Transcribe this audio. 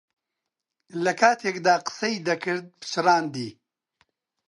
لەکاتێکدا قسەی دەکرد پچڕاندی.